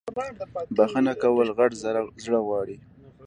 بخښنه کول غت زړه غواړی